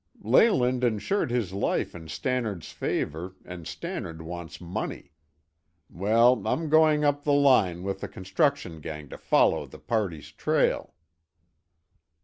"Leyland insured his life in Stannard's favor and Stannard wants money. Well, I'm going up the line with the construction gang to follow the party's trail."